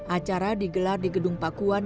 acara digelar di gedung pakuan